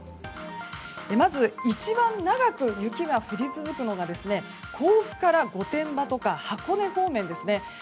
まず、一番長く雪が降り続くのが甲府から御殿場とか箱根方面ですね。